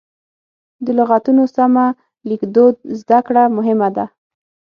د لغتونو سمه لیکدود زده کړه مهمه ده.